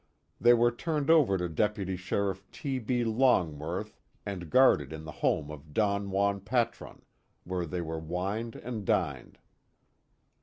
They were turned over to Deputy Sheriff T. B. Longworth and guarded in the home of Don Juan Patron, where they were wined and dined.